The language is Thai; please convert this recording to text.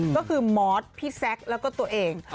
ก็คือมอสพี่แซคแล้วก็ตัวเอง